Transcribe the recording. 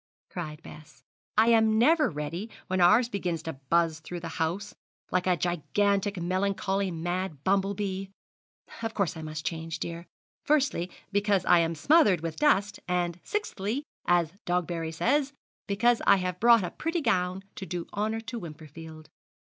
cried Bess. 'I am never ready when ours begins to buzz through the house, like a gigantic, melancholy mad bumble bee. Of course I must change, dear; firstly, because I am smothered with dust, and sixthly, as Dogberry says, because I have brought a pretty gown to do honour to Wimperfield.'